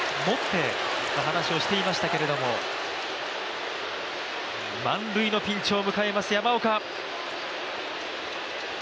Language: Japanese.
話をしていましたけれども、満塁のピンチを迎えます、山岡。